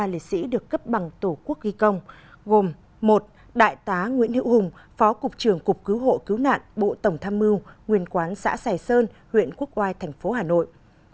một mươi ba lịch sĩ được cấp bằng tổ quốc y công gồm một đại tá nguyễn hiệu hùng phó cục trưởng cục cứu hộ cứu nạn bộ tổng tham mưu nguyên quán xã xài sơn huyện quốc oai tp hà nội